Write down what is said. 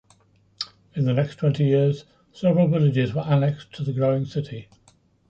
In the next twenty years several villages were annexed to the growing city.